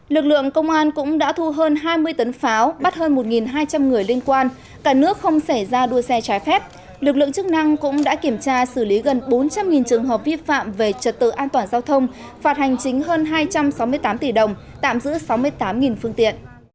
lực lượng công an cũng đã thu hơn hai mươi tấn pháo bắt hơn một hai trăm linh người liên quan cả nước không xảy ra đua xe trái phép lực lượng chức năng cũng đã kiểm tra xử lý gần bốn trăm linh trường hợp vi phạm về trật tự an toàn giao thông phạt hành chính hơn hai trăm sáu mươi tám tỷ đồng tạm giữ sáu mươi tám phương tiện